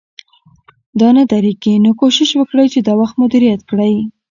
دا نه درېږي، نو کوشش وکړئ چې دا وخت مدیریت کړئ